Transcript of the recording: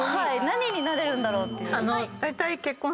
何になれるんだろうっていう。